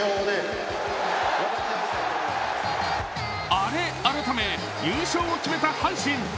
アレ改め、優勝を決めた阪神。